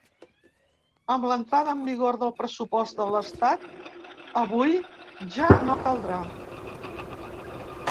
Amb l’entrada en vigor del pressupost de l’estat avui, ja no caldrà.